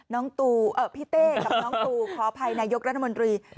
พี่เต้กับน้องตูขออภัยนายกรัฐมนตรี